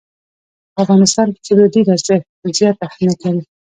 په افغانستان کې ژبې ډېر زیات اهمیت لري.